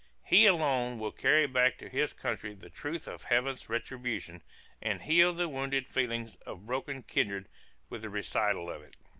He alone will carry back to his country the truth of Heaven's retribution, and heal the wounded feelings of broken kindred with the recital of it.